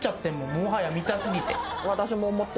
もはや見た過ぎて。